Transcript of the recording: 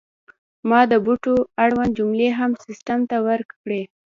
ما د بوټو اړوند جملې هم سیستم ته ورکړې.